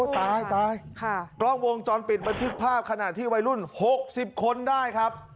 ตายตายค่ะกล้องวงจรปิดมันทึกภาพขนาดที่วัยรุ่นหกสิบคนได้ครับ